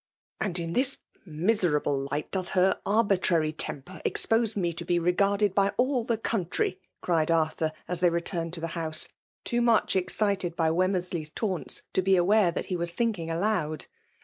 " And in this miserable Ught does her ax^ Utraiy temper expose me to be regarded by all the eountry !" cried Arthur, as they returned to the house ; too much excited by .Wemmers* ley 8 taunts to be aware that he was thinking aloud.